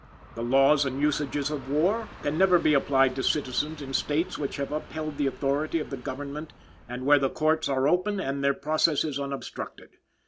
"The laws and usages of war can never be applied to citizens in states which have upheld the authority of the government and where the courts are open and their processes unobstructed.